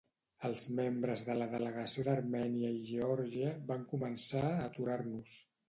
Els membres de la delegació d'Armènia i Geòrgia van començar a aturar-nos.